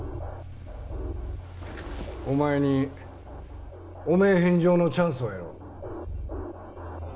お前に汚名返上のチャンスをやろう。